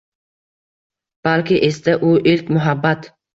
Balki esda u ilk muhabbat